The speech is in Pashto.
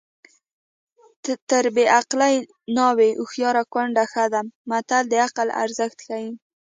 تر بې عقلې ناوې هوښیاره کونډه ښه ده متل د عقل ارزښت ښيي